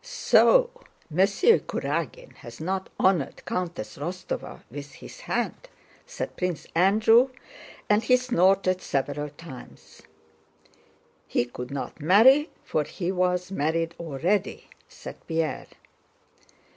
"So Monsieur Kurágin has not honored Countess Rostóva with his hand?" said Prince Andrew, and he snorted several times. "He could not marry, for he was married already," said Pierre.